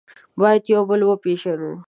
باید یو بل وپېژنئ.